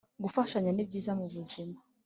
Gufashanya ni byiza mu buzima